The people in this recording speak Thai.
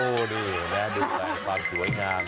โอ้นี่แม่ดูแฟนความสวยงาม